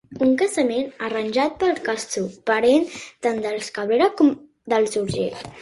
Un casament arranjat pels Castro, parent tant dels Cabrera com dels Urgell.